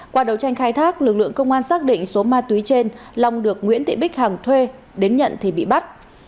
qua đấu tranh khai thác lực lượng công an xác định số ma túy trên long được nguyễn thị bích hằng thuê đến nhận thì bị bắt